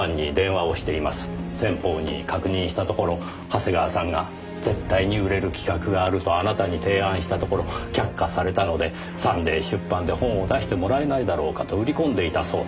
先方に確認したところ長谷川さんが絶対に売れる企画があるとあなたに提案したところ却下されたのでサンデー出版で本を出してもらえないだろうかと売り込んでいたそうです。